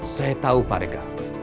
saya tahu pak rekar